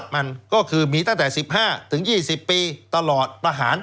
มันก็คือมีตั้งแต่๑๕๒๐ปีตลอดประหาร